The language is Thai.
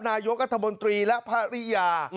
นายกัธมนตรีและภรรยา